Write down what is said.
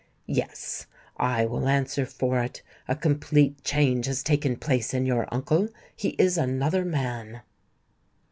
"Yes: I will answer for it! A complete change has taken place in your uncle: he is another man."